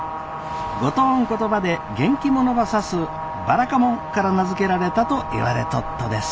五島ん言葉で元気者ば指すばらかもんから名付けられたといわれとっとです。